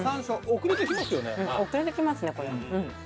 遅れてきますねこれ。